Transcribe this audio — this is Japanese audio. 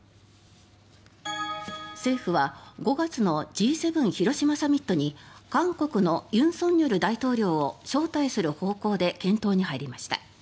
政府は５月のＧ７広島サミットに韓国の尹錫悦大統領を招待する方向で検討に入りました。